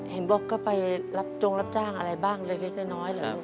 เห็นบอกก็ไปรับจงรับจ้างอะไรบ้างเล็กน้อยเหรอลูก